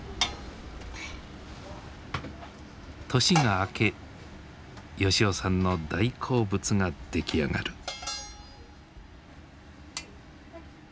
年が明け吉男さんの大好物が出来上がる。